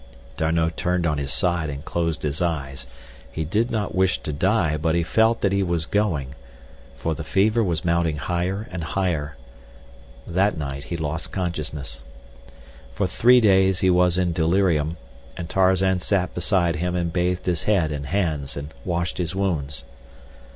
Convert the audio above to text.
D'Arnot turned on his side and closed his eyes. He did not wish to die; but he felt that he was going, for the fever was mounting higher and higher. That night he lost consciousness. For three days he was in delirium, and Tarzan sat beside him and bathed his head and hands and washed his wounds.